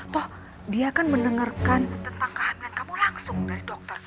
toh dia kan mendengarkan tentang kehamilan kamu langsung dari dokter